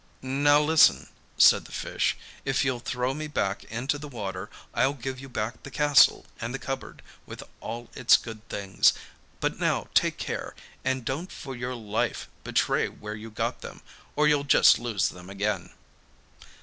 'Now listen,' said the fish, 'if you'll throw me back into the water, I'll give you back the castle and the cupboard with all its good things; but now take care, and don't for your life betray where you got them, or you'll just lose them again.